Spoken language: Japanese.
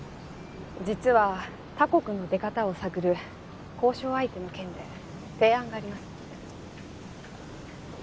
実は他国の出方を探る交渉相手の件で提案があります